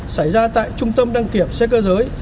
xảy ra tại trung tâm đăng kiểm xe cơ giới